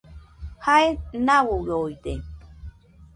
Jae nauioide